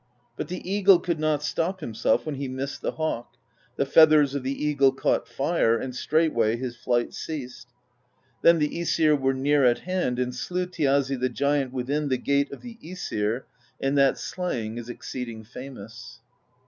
But the eagle could not stop himself when he missed the hawk: the feathers of the eagle caught fire, and straightway his flight ceased. Then the ^sir were near at hand and slew Thjazi the giant within the Gate of the iEsir, and that slaying is exceeding famous.